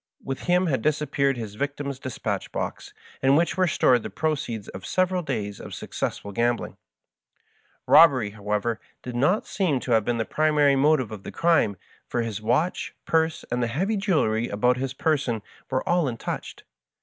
With him had disappeared his victim's dispatch box, in which were stored the proceeds of several days of successful gambling. Eobbery, however, did not seem to have been the primary motive of the crime, for his watch, purse, and the heavy jewelry about his person were all Digitized by VjOOQIC 160 MY FASCINATING FRIEND. untouched.